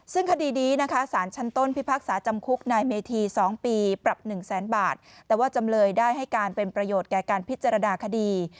ซึ่งคดีนี้นะคะสารชั้นต้นพิพากษาจำคุกนายเมธี๒ปีปรับ๑แสนบาทแต่ว่าจำเลยได้ให้การเป็นประโยชน์แก่การพิจารณาคดี